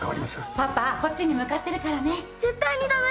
パパこっちに向かってるからね。